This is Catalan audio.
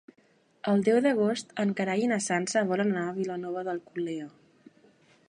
El deu d'agost en Gerai i na Sança volen anar a Vilanova d'Alcolea.